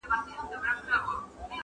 په دا منځ كي باندي تېر سول لس كلونه!.